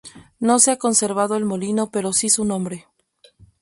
No se ha conservado el molino pero si su nombre.